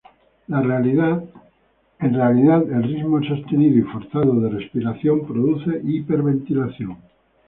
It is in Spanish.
En realidad, el ritmo sostenido y forzado de respiración produce hiperventilación.